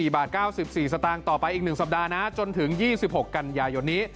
๔บาท๙๔สตางค์ต่อไปอีก๑สัปดาห์นะจนถึง๒๖กันยายนนี้